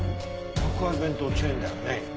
宅配弁当チェーンだよね？